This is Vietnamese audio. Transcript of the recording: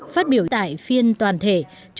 phát biểu tại phiên toàn thể